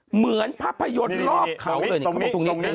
เหมือนภาพยนตร์รอบเขาเลยตรงนี้